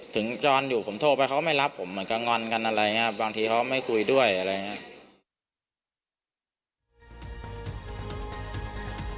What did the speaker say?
ถึงจรอยู่ผมโทรไปเขาก็ไม่รับผมเหมือนกันงอนกันอะไรนะครับบางทีเขาก็ไม่คุยด้วยอะไรนะครับ